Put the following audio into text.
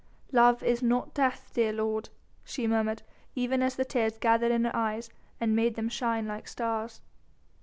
"Love is not death, dear lord," she murmured, even as the tears gathered in her eyes and made them shine like stars.